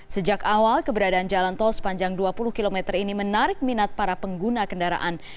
sejak awal keberadaan jalan tol sepanjang dua puluh km ini menarik minat para pengguna kendaraan